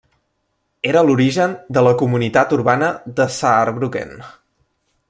Era l'origen de la Comunitat urbana de Saarbrücken.